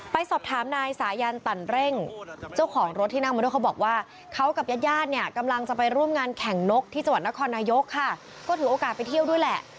ไปสอบถามนายสายันตันเร่งเจ้าของรถที่นั่งมาด้วยเขาบอกว่าเขากับญาติญาติเนี่ยกำลังจะไปร่วมงานแข่งนกที่จังหวัดนครนายกค่ะก็ถือโอกาสไปเที่ยวด้วยแหละ